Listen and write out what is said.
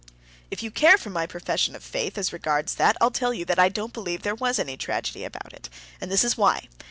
"If you care for my profession of faith as regards that, I'll tell you that I don't believe there was any tragedy about it. And this is why.